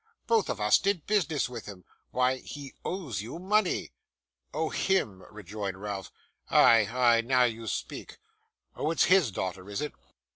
Both of us did business with him. Why, he owes you money!' 'Oh HIM!' rejoined Ralph. 'Ay, ay. Now you speak. Oh! It's HIS daughter, is it?